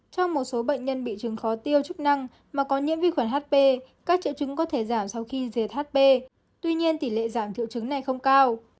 trong một số bệnh nhân bị trứng khó tiêu chức năng mà có nhiễm vi khuẩn hp các triệu trứng có thể giảm sau khi diệt hp tuy nhiên tỷ lệ giảm triệu trứng này không cao